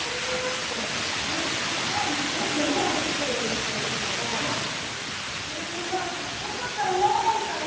って気を使ってですねをつける人いるけどそれだったらまだいいかな。